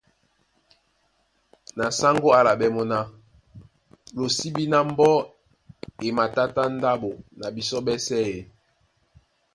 Na sáŋgó á álaɓɛ́ mɔ́ ná:Lo sí bí ná mbɔ́ e matátá ndáɓo na bisɔ́ ɓɛ́sɛ̄ ē?